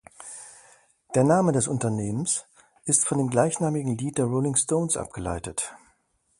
Der Name des Unternehmens ist von dem gleichnamigen Lied der Rolling Stones abgeleitet.